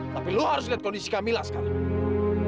tapi lo harus lihat kondisi kamila sekarang